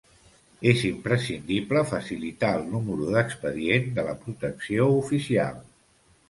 És imprescindible facilitar el número d'expedient de la protecció oficial.